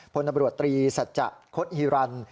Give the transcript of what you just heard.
พลตำรวจตรีสัจจะคดฮิรัน